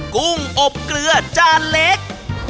กุ้งอบเกลือจานเล็ก